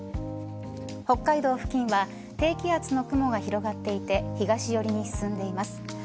北海道付近は低気圧の雲が広がっていて東寄りに進んでいます。